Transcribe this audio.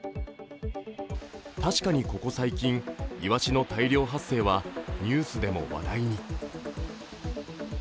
確かにここ最近、イワシの大量発生はニュースでも話題に。